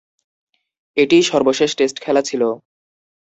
এটিই সর্বশেষ টেস্ট খেলা ছিল।